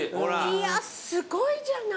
いやすごいじゃない。